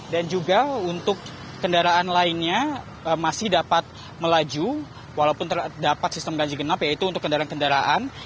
dan juga untuk kendaraan lainnya masih dapat melaju walaupun terdapat sistem ganjil genap yaitu untuk kendaraan kendaraan